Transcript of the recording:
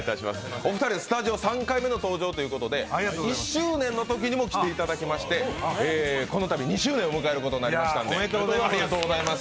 お二人はスタジオ３回目の登場ということで１周年のときにも来ていただきまして、このたび２周年を迎えることになりましたのでありがとうございます。